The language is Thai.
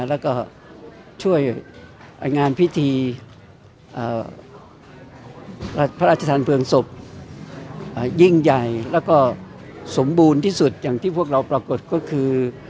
แล้วก็ช่วยงานพิธีพระราชทานเพลิงศพยิ่งใหญ่แล้วก็สมบูรณ์ที่สุดอย่างที่พวกเราปรากฏก็คือ